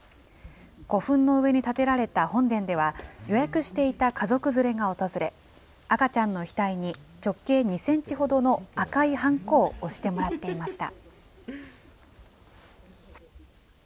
古墳の上に建てられた本殿では、予約していた家族連れが訪れ、赤ちゃんの額に直径２センチほどの赤いはんこを押してもらっていました。